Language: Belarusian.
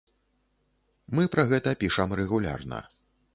Мы пра гэта пішам рэгулярна.